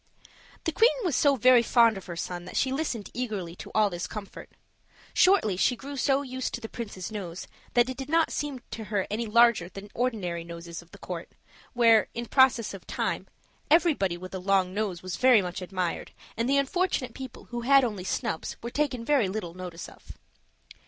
The queen was so very fond of her son that she listened eagerly to all this comfort. Shortly she grew so used to the princes's nose that it did not seem to her any larger than ordinary noses of the court; where, in process of time, everybody with a long nose was very much admired, and the unfortunate people who had only snubs were taken very little notice of.